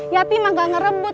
yati mah gak ngerebut